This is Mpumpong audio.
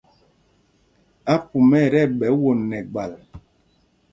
Apumá ɛ tí ɛɓɛ won nɛ gbal.